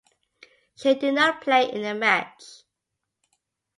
She did not play in the match.